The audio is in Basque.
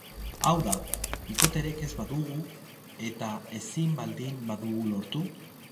Hau da, bikoterik ez badugu eta ezin baldin badugu lortu?